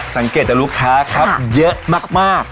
สังเกตจากลูกค้าครับเยอะมาก